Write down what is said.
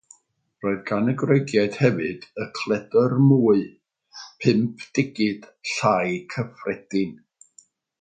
Roedd gan y Groegiaid hefyd y “cledr mwy” pum digid llai cyffredin.